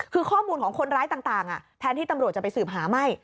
คือข้อมูลของคนร้ายต่างแทนที่ตำรวจจะไปสืบหาไม่